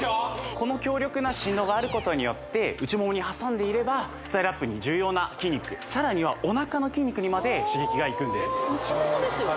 この強力な振動があることによって内ももに挟んでいればスタイルアップに重要な筋肉さらにはおなかの筋肉にまで刺激がいくんです内ももですよね？